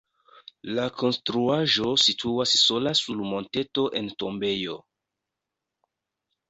La konstruaĵo situas sola sur monteto en tombejo.